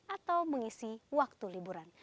atau mengisi waktu liburan